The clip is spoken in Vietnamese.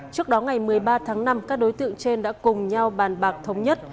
trước đó ngày một mươi ba tháng năm các đối tượng trên đã cùng nhau bàn bạc thống nhất